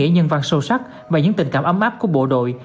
với ý nghĩa nhân văn sâu sắc và những tình cảm ấm áp của bộ đội